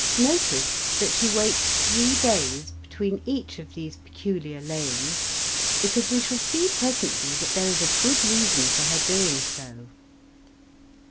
Notice that she waits three days between each of these peculiar layings, because we shall see presently that there is a good reason for her doing so.